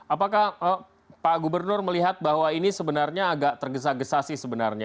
apakah pak gubernur melihat bahwa ini sebenarnya agak tergesa gesa sih sebenarnya